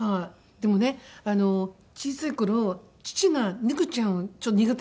でもね小さい頃父が猫ちゃんをちょっと苦手だったんです。